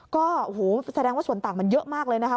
ก็แสดงว่าส่วนต่างมันเยอะมากเลยนะคะ